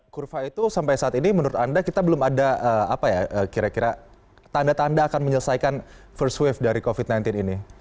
kurva itu sampai saat ini menurut anda kita belum ada apa ya kira kira tanda tanda akan menyelesaikan first wave dari covid sembilan belas ini